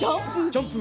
ジャンプ！